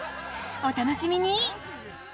お楽しみに！